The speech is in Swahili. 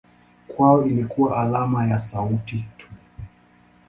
Kwao ilikuwa alama ya sauti tu.